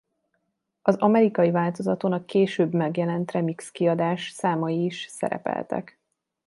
Az amerikai változaton a később megjelent remix-kiadás számai is szerepeltek.